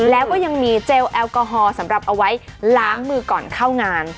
แล้วก็ยังมีเจลแอลกอฮอล์สำหรับเอาไว้ล้างมือก่อนเข้างาน